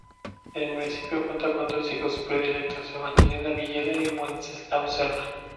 El municipio cuenta con dos hijos predilectos: Evangelina Villeda y Wenceslao Cerna.